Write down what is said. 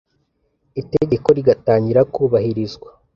itegeko rigatangira kubahirizwa